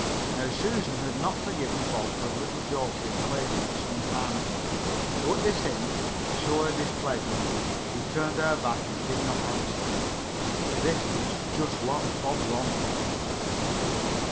Now Susan had not forgiven Bob for a little joke he had played on her some time before, so at his hint, to show her displeasure, she turned her back and did not answer. This was just what Bob wanted.